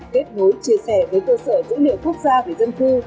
kết nối chia sẻ với cơ sở dữ liệu quốc gia về dân cư